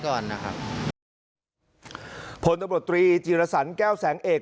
ก่อนนะครับผลตำรวจตรีจีรสันแก้วแสงเอก